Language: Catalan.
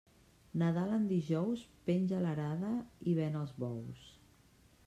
Nadal en dijous, penja l'arada i ven els bous.